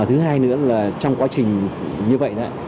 thứ hai nữa là trong quá trình như vậy